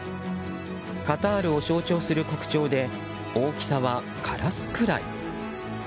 カタールを象徴する国鳥で大きさはカラスくらい。